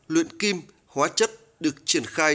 luyện kim hóa chất được triển khai